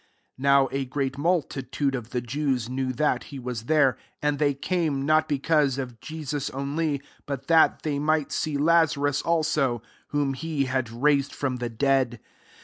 9 NOW a great multitude of the Jews knew that he was there : and they came, not be cause of Jesus only, but that ^ey might see Lazarus also, whom he had raised from the dead.